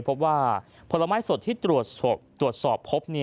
พบว่าผลไม้สดที่ตรวจสอบพบ